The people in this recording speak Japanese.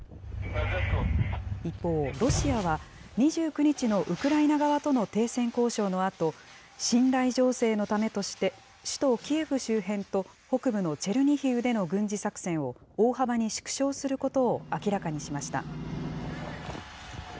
一方、ロシアは２９日のウクライナ側との停戦交渉のあと、信頼醸成のためとして、首都キエフ周辺と北部のチェルニヒウでの軍事作戦を大幅に縮小することを明らかにしました。